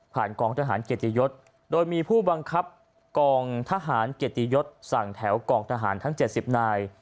กองทหารเกียรติยศโดยมีผู้บังคับกองทหารเกียรติยศสั่งแถวกองทหารทั้ง๗๐นาย